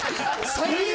最悪！